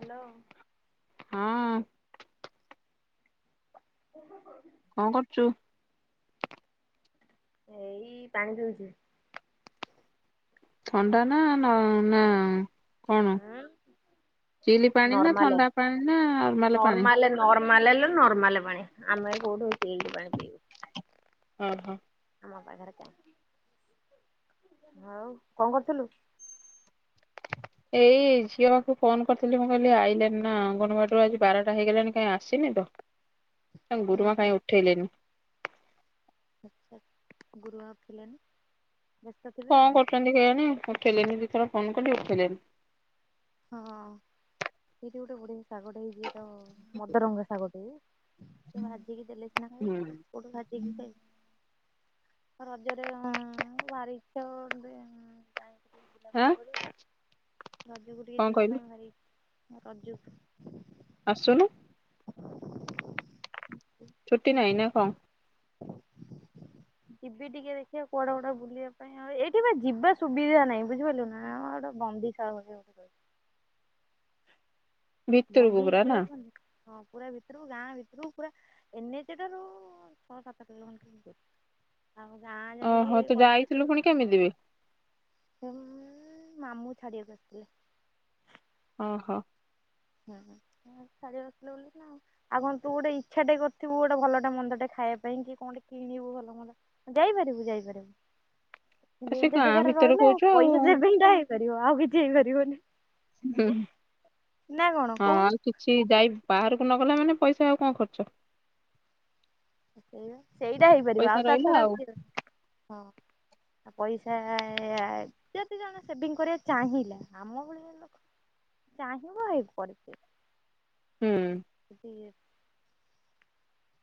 Hello ହଁ [inaudible] କଣ କରୁଛୁ? ଏଇ ପାଣି ପିଉଛି। ଥଣ୍ଡା ନା ନ ନା କଣ ହୁଁ। ଚିଲ୍ ପାଣି ନା ନର୍ମାଲେ ଥଣ୍ଡା ପାଣି ନା ନର୍ମାଲ ପାଣି? ନର୍ମାଲ ଲୋ ନର୍ମାଲ ପାଣି ଆମେ କୋଉଠୁ ଚିଲ୍ ପାଣି ପିଇବୁ। ଅ ହୋଃ। ଆମ ପାଖରେ କାହିଁ, ହଉ କଣ କରୁଥିଲୁ? ଏଇ ଝିଅ ପାଖକୁ ଫୋନ କରିଥିଲି ମୁଁ କହିଲି ଆଇଲାନି ନା ଅଙ୍ଗନବାଡ଼ିରୁ ଆଜି ବାରଟା ହେଇଗଲାଣି କାହିଁ ଆସିନି ତ। ହୁଁ ଗୁରୁମା ହୁଁ କାଇଁ ଉଠେଇଲେନି। [unintelligible] ଗୁରୁମା ଉଠେଇଲେନି କଣ କରୁଛନ୍ତି କେଇଆଣି ଉଠେଇଲେନି ଦି ଥର ଫୋନ କଲି ଉଠେଇଲେନି। ହଁ ସେଇଠି ଗୋଟେ ବଢ଼ିଆ ଶାଗଟେ ହେଇଛି ତ ମଦରଙ୍ଗା ଶାଗଟେ ସେ ଭାଜି କି ଦେଲେ ସିନା ହୁଁ ଖାଇବୁ କୋଉଠୁ ଭାଜି କି ଖାଇବୁ। ରଜରେ ଭାରି ଇଚ୍ଛା ଗୋଟେ ଯାଇକି ଟିକେ ବୁଲାବୁଲି ଆଁ? କରିବୁ। ଟିକେ କଣ ଯିବା କହିଲୁ ପାଇଁ ଭାରି ଇଚ୍ଛା ରଜକୁ। ଆସୁନୁ। ଛୁଟି ନାଇଁ ନା କଣ? ଯିବି ଟିକେ ଦେଖିବା କୁଆଡ଼େ ଗୋଟେ ବୁଲିବା ପାଇଁ। ଏଇଠି ବା ଯିବା ସୁବିଧା ନାହିଁ ବୁଝିପାରିଲୁ ନା ଗୋଟେ ବନ୍ଦିଶାଳା ଭଳିଆ ଗୋଟେ ରହିଛି ଭିତରୁକୁୁ ବନ୍ଦୀ ପୁରା ହେଇକି ଯୋଉ ନା? ରୁହନ୍ତିନି ହଁ ପୁରା ଭିତରୁକୁ ଗାଁ ଭିତରକୁ ପୁରା ଏନ୍ ଏଚ୍ ଠାରୁ ଛଅ ସାତ କିଲୋମଟର ଓହୋଃ ତୁ ଯାଇଥିଲୁ ପୁଣି କେମିତିି ବେ? ସେ ମାମୁଁ ଛାଡ଼ିବାକୁ ଆସିଥିଲେ। ଓହୋଃ। ହୁଁ ହଁ ଛାଡ଼ିବାକୁ ଆସିଥିଲେ ବୋଲି ଆଉ କଣ ତୁ ଗୋଟେ ଇଚ୍ଛା ଟେ କରିଥିବୁ ଗୋଟେ ଭଲଟେ ମନ୍ଦଟେ ଖାଇବା ପାଇଁ କି କଣ କିଣିବୁ ଭଲ ମନ୍ଦ ଯାଇପାରିବୁ ଯାଇପାରିବୁ ଆ ସେ ଦିନ୍‌ଟା ଗାଁ ଜାଗାରେ ଭିତରେ ରହିଲେ କହୁଛୁ ଆଉ ପଇସା ସେଭିଙ୍ଗ ଟା କରିବ ଆଉ କିଛି ହେଇ ପାରିବନି। ହୁଁ ହୁଁ କଣ ହଁ କହୁନୁ। ଆଉ ସିଏ ଯାଇ ବାହାରକୁ ନଗଲା ମାନେ ପଇସା ଆଉ କଣ ଖର୍ଚ୍ଚ। ସେଇ ସେଇଟା ହେଇପାରିବ ପଇସା ଆଉ ତା ରହିଲା ଛଡା [unintelligible] ହଁ। ଆ ପଇସା ଯଦି ଜଣେ ସେଭିଙ୍ଗ କରିବାକୁ ଚାହିଁଲା ଆମ ଭଳିଆ ଲୋକ ଚାହିଁବ। [unintelligible] ହୁଁ। ଯିଏ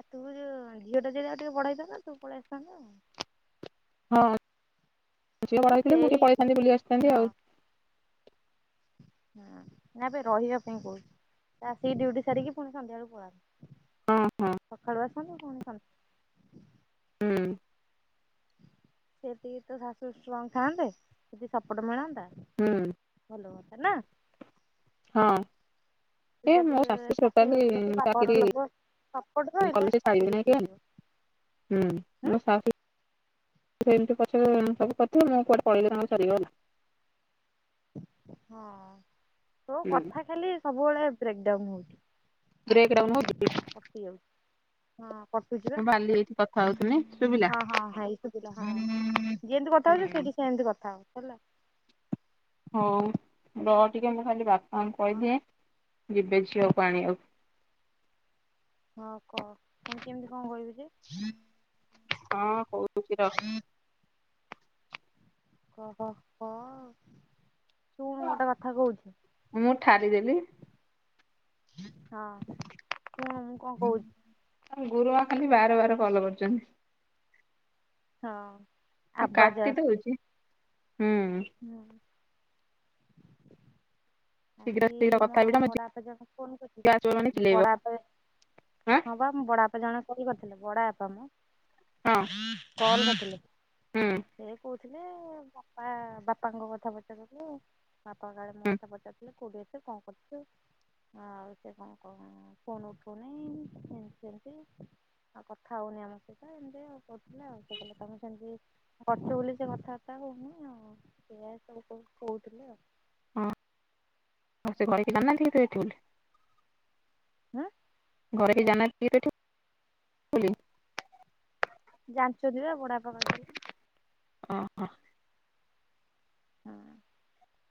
ଆଉ ତୁ ଯୋଉ ଝିଅଟା ଯଦି ଆଉ ଟିକେ ବଡ଼ ହେଇଥାନ୍ତା ତୁ ପଳେଇ ଆସିଥାନ୍ତୁ ଆଉ। ହଁ ଝିଅ ବଡ଼ ହେଇଥିଲେ ମୁଁ ଟିକେ ସେଇଠି ପଳେଇଥାନ୍ତି ବୁଲି ଆସିଥାନ୍ତି ହଁ ଆଉ। ହଁ ନାବେ ରହିବା ପାଇଁ କହୁଛି ଆସିକି ଡିଉଟି ସାରି କିି ପୁଣି ସନ୍ଧ୍ୟା ବେଳକୁ ପଳାନ୍ତୁ। ହଁ ହଁ [inaudible] ସଖାଳୁ ଆସନ୍ତୁ ପୁଣି ସ ହୁଁ। ସେତିକି ତୋ ଶାଶୁ ଷ୍ଟ୍ରଙ୍ଗ୍ ଥାଆନ୍ତେ, ଯଦି ସପୋର୍ଟ ମିଳନ୍ତା ହୁଁ। ଭଲ ହୁଅନ୍ତା ନା? ହଁ। ତୁ ଏ ଯଦି ମୋ ଶାଶୁ ଟୋଟାଲି, ଘର ଲୋକ ବାପ ଘର ଚାକିରି ଲୋକ ସପୋର୍ଟ ରହିଲେ କଲେ ସେ ସବୁ ଛାଡିବେ କି ନାଇଁ କିଛି କେଜାଣି? ହେଇଯିବ ହୁଁ ମୋ ଶାଶୁ ତ ଏମିତି ପଛେ ସବୁ କରିିଥିବେ, ମୁଁ କୁଆଡ଼େ ପଳେଇଲେ ତାଙ୍କର ସରିଗଲା। ହଁ ତୋ ହୁଁ କଥା ଖାଲି ସବୁବେଳେ ବ୍ରେକ୍ଡାଉନ୍ ହଉଛି। ବ୍ରେକଡାଉନ ହଉଚି? କଟିଯାଉଛି, ହଁ କଟୁଛି। ବା କାଲି ଏଇଠି କଥା ହଉଥିଲି, ଶୁଭିଲା? ହଁ ହଁ ହେଇ ହୁଁ। ତୁ ଏମିତି କଥା ହ ହେଲା। ହଉ ର ଟିକେ ମୁଁ ଖାଲି ବାପାଙ୍କୁ କହିଦିଏ, ଯିବେ ଝିଅକୁ ଆଣିଆକୁ। ହଁ କହ, ପୁଣି କେମିତି କଣ କହିବି ଯେ? ହଁ କହୁଛି ର। କହ କ ଶୁଣୁ ଗୋଟା କଥା କହୁଛି। ମୁଁ ଠାରିଦେଲି ହଁ ଶୁଣୁ ମୁଁ କଣ କହୁଛି। ତାଙ୍କ ଗୁରୁମା ଖାଲି ବାର୍ ବାର୍ କଲ୍ କରୁଛନ୍ତି। ହଁ। ନାଇଁ ଆବାଜ କାଟି ଆସୁଛି ଦଉଚି ହୁଁ। ହୁଁ। ଶୀଘ୍ର ଆଜି ଶୀଘ୍ର କଥା ମୋ ହେଇପଡ ବଡ଼ାପା ଜଣଙ୍କୁ ଫୋନ୍ କରିଥିଲେ, ଝିଅ ଆସିବ ମାନେ ଚିଲେଇବ ବଡ଼ାପା ଆଁ ହଁ ବାପା ମୋ ବଡାପା ଜଣେ କଲ୍ କରିଥିଲେ, ବଡାପା ମଁ ହଁ। କଲ୍ କରିଥିଲେ, ହୁଁ ସେ କହୁ ଥିଲେ ବାପା ବାପାଙ୍କ କଥା ପଚାରୁଥିଲେ, ବାପା କାଳେ ମୋ ହୁଁ କଥା ପଚାରୁ କୋଉଠି ଅଛୁ, କଣ କରୁଚୁ? ହଁ ଆଉ ସେ କଣ ଫୋ ଫୋନ୍ ଉଠଉନେଇ, ଏମିତି ସେମିତି ଆଉ କଥା ହଉନି ଆମ ସହିତ, ଏମିତି ଆଉ କହୁଥିଲେ ଆଉ। ସେ କହିଲେ ତମେ ସେମିତି କରିଚ ବୋଲି ସେ କଥାବାର୍ତ୍ତା ହଉନେଇ ଆଉ, ଏଇଆ ସବୁ କହୁଥିଲେ ଆଉ। ହଁ ହଉ ସେ ଘରେ କେହି ଜାଣିନାନ୍ତି ତୁ ଏଠି ବୋଲି? ହୁଁ। ଘରେ କେହି ଜାଣିନାହାନ୍ତି ତୁ ଏଠି ଅଛୁ ବୋଲି? ଜାଣିଚନ୍ତି ବା ବଡାପା କହିଦେଲେ। ଅ -ହ। ହୁଁ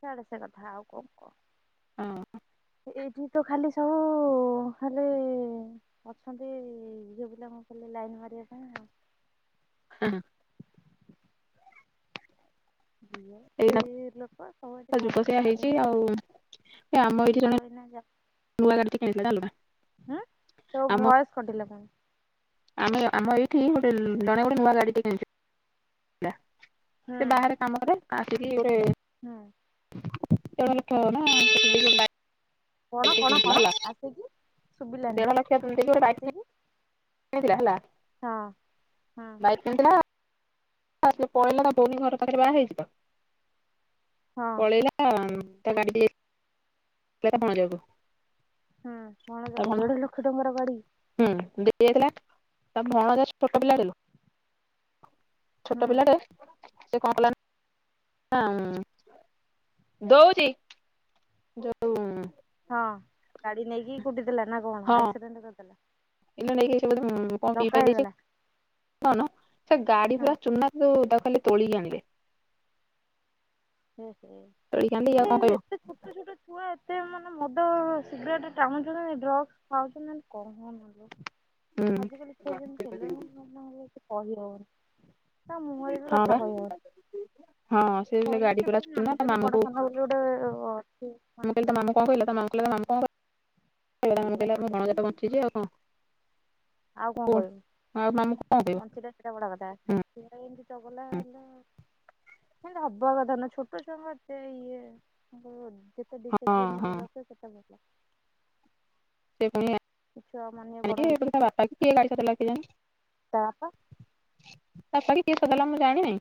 ଛାଡେ ସେ କଥା, ଆଉ କଣ କହ? ହଁ। ଏଇଠି ତ ଖାଲି ସବୁ ଖାଲି ଅଛନ୍ତି, ଝିଅପିଲାଙ୍କୁ ଖାଲି ଲାଇନ୍ ମାରିବା ପାଇଁ ଆଉ। [unintelligible] [unintelligible] ଏଇନା ସେଇ ଲୋକ ସବୁ ଏଠି ଯୁଗ ସେଇଆ ହେଇଛି ଆଉ ଏ ଆମ [unintelligible] ଏଇଠି ଜଣେ ଯୁଗ ଏଇନା ଯା, ନୂଆ ଗାଡିଟେ କିଣିଥିଲା ଜାଣିଲୁ ନା ତୋ ଆମ ଭଏସ୍ କଟିଲା ପୁଣି। ଆମେ ଆମ ଏଇଠି ଗୋଟେ ଲ ଜଣେ ଗୋଟେ ନୂଆ ଗାଡିଟେ କିଣିଥି ଲା, ସେ ବାହାରେ କାମକରେ ଆସିକି ଗୋଟେ ହୁଁ। [inaudible] କଣ ବାଇକ୍ କଣ କିଣିଥିଲା କଣ ହେଲା ଆସିକି ଦେଢ ଲକ୍ଷ ଶୁଭିଲାନି? ଦେଇକି ଗୋଟେ ବାଇକ୍ ଆସିକି କିଣିଥିଲା ହେଲା ହଁ- ହଁ। ବାଇକ୍ କିଣିଥିଲା [unintelligible] ପଳେଇଲା ନା ଭଉଣୀ ଘର ପାଖେରେ ବାହା ହେଇଚି ତ, ହଁ ପଳେଇଲା [unintelligible] ତା ଗାଡି [unintelligible] ହଁ ତା ଅଣାଯିବ, ଭଣ ଦେଢ ଲକ୍ଷ ଟଙ୍କାର ଗାଡି ହୁଁ ଦେଇକିଯାଇଥିଲା ତା ଭଣଜାର ଛୋଟ ପିଲାଟାକୁ ଛୋଟ ହୁଁ ପିଲାଟେ ସେ କଣ ହେଲା ନା, ଦଉଛି ଯଉ ହଁ ଗାଡି ନେଇକି କୁଟିଥିଲା ନା କଣ ଆକ୍ସିଡେଣ୍ଟ କରିଦେଲା? ଏ ନେଇକି ସେ କଣ ଧକ୍କା ପିଇପା ଦେଇଛି ହେଇଗଲା କଣ ସେ ଗାଡି ହଁ ପୁରା ଚୁନା ଯୋଉ ତାକୁ ଖାଲି ତୋଳିକି ଆଣିଲେ। ହଁ ହଁ ତୋଳିକି ଆଣିଲେ ଇଏ ଆଉ ସେଇ କଣ କହିବ ଏତେ ଛୋଟ ଛୋଟ ଛୁଆ ଏତେ ମାନେ ମଦ, ଶୀଘ୍ରେଟ୍ ଟାଣୁଛନ୍ତି, ଡ୍ରଗ୍ସ ଖାଉଛନ୍ତି କହନି। ହୁଁ। ଆଜିକାଲି ଛୁଆ କେମିତି ହେଲେଣି, ମାନେ ଆଉ ଏତେ କିଛି କହି ହବନି। ତା ମୁହଁରେ ବି ହଁ ବା କଥା କହିବନି। ହଁ ସେ ସେ ଗାଡି ପୁରା ଚୁନା, ତା ମାମୁକୁ ଯୋଉଟା ଅଠେଇସି ମୁଁ କହିଲି ମାମୁ କଣ କହିଲା? ତ ମାମୁ କହିଲା ତ ମାମୁ କଣ କହିଲେ? ମାମୁଁ କହିଲେ ମୋ ଭଣଜା ଟା ତ ବଞ୍ଚିଛି, ଆଉ କଣ? ଆଉ କଣ ଆଉ ମାମୁଁ କଣ କହିବେ କହିବ କଞ୍ଚି ଟା ବଡ଼ କଥା, ହୁଁ ସେଇଟା ଏମିତି ହେଲା ହେଲ୍ଫ ଏମତି ହବା କଥା ନାଇଁ, ଛୋଟ ଛୁଆଙ୍କୁ ଏତେ ୟେ [unintelligible] ହଁ ହଁ। [unintelligible] ରଖେ ସେତେ ଭଲ ସେ [unintelligible] ଛୁଆ ମାନେ ବଡ ହେଲେ ତା ବାପା [unintelligible] [unintelligible] ମୁଁ ଜାଣିନି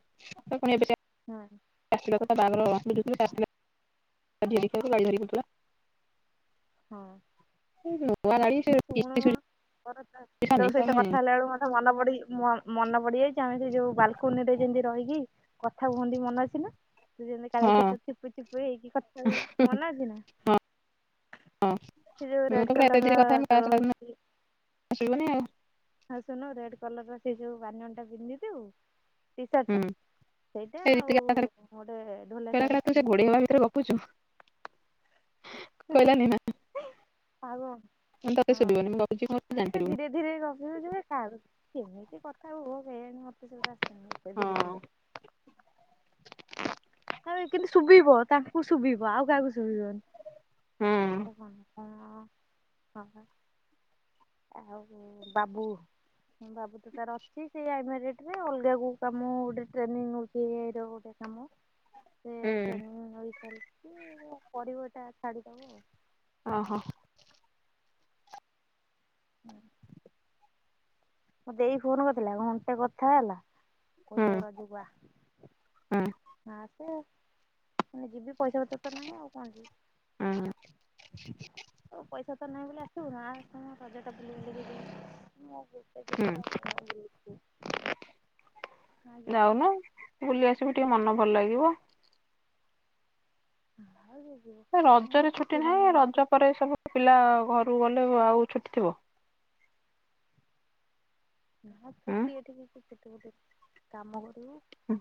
ହଁ [unintelligible] ହଁ ହ [unintelligible] ଶୁଣୁ ମ ମୋର ତୋ ସହିତ ତମେ କଥା ହେଲାବେଳକୁ ମେ ମନ ପଡି ମନ ପଡିଯାଇ, ଚାହୁଁଛି ଯୋଉ ବାଲକୁନି ରେ ଯେମିତି ରହିକି କଥା ହୁଅନ୍ତି ମନ ଅଛି ନା?? ତୁ ଯେମତି କାଳୁ ହଁ ସହିତ ଚୁପୁ ଚୁପୁ ହେଇକି ଖଥା ହଉ ମନେ ଅଛି ନା? ହଁ ସେ ଯଉ ମୁଁ ତ ରେଡ ପୁରା କଲର ତ ରହୁଛି। ଆସିବନି ଆଉ। ହଁ ଶୁଣୁନୁ ରେଡ୍ କଲର୍ ର ସେଇ ଯୋଉ ବନିଆନ୍ ଟା ପିନ୍ଧିଥବୁ? ଟି ସାର୍ଟଟା, ହୁଁ ସେଇଟା ଏ ଆଉ ରିତିକା ଗୋଟେ ଢୋଲ ପ୍ୟାଣ୍ଟ [unintelligible] ପୁଛୁ କହିଲାନି ନା, କାହାକୁ ତତେ ଶୁଭିବାନି, ମୁଁ କହୁଛି କଣ ତୁ ଜାଣିପାରିବୁନି। [unintelligible] କେମିତିି କଥା ହୁଅ କେଜାଣି ମତେ ସେଗୁଡା ଆସନି ଏତେ ଧୀରେ ଧୀରେ। [unintelligible] କିନ୍ତୁ ଶୁଭିବ, ତାଙ୍କୁ ଶୁଭିବ ଆଉ କାହାକୁ ଶୁଭିବନି। ହୁଁ ହଁ ତମେ। ଆଉ ବାବୁ ବାବୁ ସେ ତାର ଅଛି ସେଇ ଏମିରେଟ ରେ, ଅଲଗା କେଉ କାମ ଗୋଟେ ଟ୍ରେନିଂ ନଉଛି, ଏ ଆଇ ଗୋଟେ କାମ। ସେ ହୁଁ ଟ୍ରେନିଙ୍ଗ ରହିଲିଛି, ପଢିବ ଏଟା ଛାଡିଦବ ଆଉ। ଓହୋ। ହୁଁ। ମୋ ଦେଇ ଫୋନ କରିଥିଲା, ଘଣ୍ଟେ କଥା ହେଲା [unintelligible] ଦବୁ ଆ। ହଁ। ଆସେ ଏଇନେ ଯିବି ପଇସା ପତ୍ର ତ ନାହିଁ ଆଉ କଣ ଯିବି। ହଁ। ଆଉ ପଇସା ତ ନାହିଁ ବୋଲି ଆସିବୁନି ଆସେମ ରଜଟା ବୁଲି ବୁଲିକି ହୁଁ ଜିବୁ। ଆ। [inaudible] ଯିବିନି ଯାଉନୁ ବୁଲି ଆସିବୁ ଟିକେ ମନ ଭଲ ଲାଗିବ। ନାଁ ଯିବିନି। ରଜରେ ଛୁଟି ନାହିଁ ରଜ ପରେ ସବୁ ପିଲା ଘରୁକୁ ଗଲେ ଆଉ ଛୁଟି ଥିବ। ନା ଉଁ ଛୁଟି ଏଠି କିଛି ଛୁଟି ଫୁଟି କାମ କରିବୁ ହୁଁ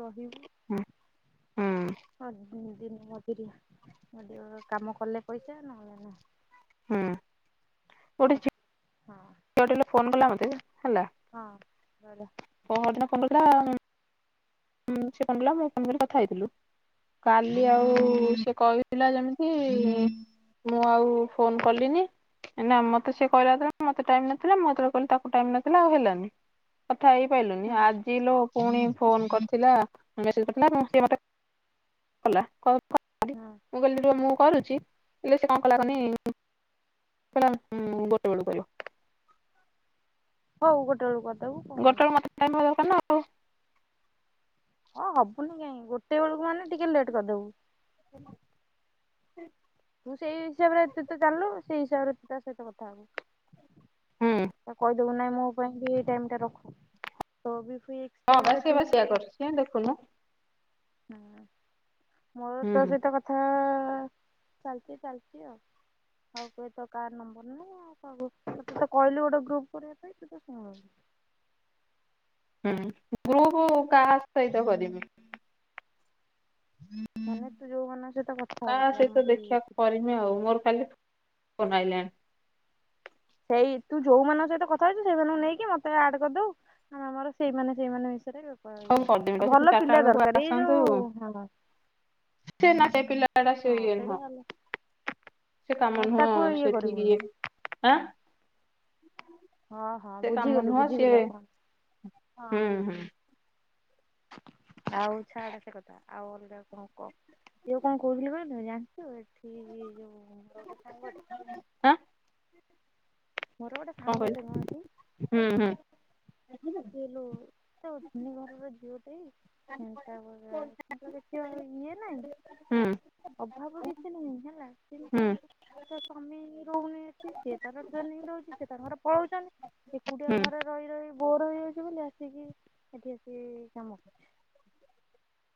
ରହିବୁ ହୁଁ ହୁଁ ଆଜ୍ଞା। ମୁଁ ଦିନ ମଜୁରିଆ ମଜୁରୀ ର କାମ କଲେ ପଇସା ନହେଲେ ନାହିଁ। ହୁଁ ହଁ ଗୋଟେଝିଅ ଫୋନ କଲା ମତେ ହେଲା। ହଁ [inaudible] ଲୋ। ପର ଦିନ କରିନଥିଲା। ହୁଁ ସେ ଫୋନ କଲା ମୁଁ ଫୋନ କଲି କଥା ହେଇଥିଲୁ କାଲି ଆଉ ହୁଁ ଉ ସେ କହି ଥିଲା ଯେମିତି ଯେମିତି ମୁଁ ଆଉ ଫୋନ କଲିନି। ନା ମତେ ସେ କହିଲା ଯେତେବେଳେ ମତେ ଟାଇମ ନଥିଲା ମୁଁ ଯେତେବେଳେ କଲି ତାକୁ ଟାଇମ ନଥିଲା ଆଉ ହେଲାନି। କଥା ହେଇପାଇଲୁନି ହୁଁ ଆଜି ଲୋ ପୁଣି ଫୋନ କ [inaudible] ମୁଁ କହିଲି ହୁଁ। ରୁହ ମୁଁ କରୁଛି ହେଲେ ସେ କଣ କଲା କନି କହିଲା ଗୋଟେ ବେଳୁ କରିବ। ହଉ ଗୋଟେ ବେଳକୁ କରିବି। ଗୋଟେବେଳୁ ମତେ ଟାଇମ ହେବା ଦରକାରନା ଆଉ। ହଁ ହବନି କାଇଁ ଗୋଟେ ବେଳକୁ ମାନେ ଟିକେ ଲେଟ୍ କରିଦେବୁ। ସେ ତୁ ସେଇ ହିସାବରେ ଏତେ ତ ଜାଣିଲୁ ସେଇ ହିସାବରେ ତୁ ତା ସହିତ କଥା ହବୁ। ହୁଁ। ତାକୁ କହିଦବୁ ନାଇଁ ମୋ ପାଇଁ ବି ଏଇ ଟାଇମ ଟା ରଖ ତୋବି ଫ୍ରି। ଟାଇମ ହଁବା ରେ ତୁ ସେବା ବି ସେୟା କଥା କରୁଛି ଦେଖୁନୁ। ହୁଁ ମୋର ହୁଁ ତୋ ସହିତ କଥାହବା ଚାଲିଛି ଚାଲିଛି ଆଉ। ହଉ କୁହେ ତ କାର ନମ୍ବର ନା। କଣ କହାକୁ ତତେ ତ କହିଲୁ ଗୋଟେ ଗ୍ରୁପ କରିବା ପାଇଁ ତୁ ତ ଶୁଣୁନୁ। ହୁଁ ଗ୍ରୁପ କାହା ସହିତ କରିବି। ହୁଁ। ମାନେ ତୁ ଯୋଉ ମାନଙ୍କ ସହିତ କଥା ହଉଛୁ ଆମରି ଦେଖିବା ପି ଆଉ କରିମି ମୋର ଖାଲି ଫୋନ ଆଇଲାଣି। ସେଇ ତୁ ଯୋଉମାନଙ୍କ ସହିତ କଥା ହେଇଛୁ ସେଇମାନଙ୍କୁ ନେଇକି ମତେ ଆଡ୍ କରିଦବୁ। ହଁ ଆମର ସେଇମାନେ ସେଇମାନେ ମ ବିଷୟରେ। ହଉ ଆ କରିଦେମି ତ ଆଉ ସେ ଭଲ ଚାରିଟା ପିଲା ବେଳକୁ ଦରକାର ଏଇ ଆସନ୍ତୁ ଯୋଉ ହ। ସେ ନା ପିଲାଗୁଡା ସେଇଆ ନୁହଁ। ଭଲ ସେ ହଁ କାମନୁହଁ ତାକୁ ଇଏ ସେଠିକି କରିବୁନୁ ଆଁ। ହଁ ହଁ ହଁ ସେ କାମ ବୁଝିଗଲି ନୁହଁ ସିଏ ବୁଝିଗଲି ଆପଣ ହଁ। ହୁଁ ହୁଁ। ଆଉ ଛାଡେ ସେ କଥା। ଆଉ ଅଲଗା କଣ କଅ ଯଉ କଣ କହୁଥିଲି କହିଲୁ ଜାଣିଛୁ ଏଠି ଯୋଉ ତୋର ସେଇ ସାଙ୍ଗଟେ ହଁ। ମୋର ଗୋଟେ କଣ ସାଙ୍ଗଟେ ମ ଏଠି କହିଲା ହୁଁ ହଁ। ଇଇଲୋ ସେ ଉଟୁନି ଘରର ଝିଅଟି। ଚିନ୍ତା ବଢିବ ମୁଁତ ଦେଖିବ ଇଏ ନାଇଁ। ହୁଁ ଅଭାବ କିଛି ନାହିଁ ହେଲା କିନ୍ତୁ? ହୁଁ ତା ସ୍ୱାମୀ ରହୁନି ଏଠି ସିଏ ତାର ଟ୍ରେନିଂ ଦଉଛି ସେ ତାଙ୍କର ପଳଉଛନ୍ତି ଏକୁଟିଆ ହୁଁ। ଘରେ ରହି ରହି ବୋର ହେଇଯାଉଛି ବୋଲି ଆସିକି ଏଠି ଆସିକି କାମ କରୁଛି।